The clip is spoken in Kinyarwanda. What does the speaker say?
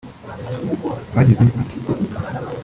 bagize ati